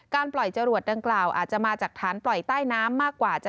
ปล่อยจรวดดังกล่าวอาจจะมาจากฐานปล่อยใต้น้ำมากกว่า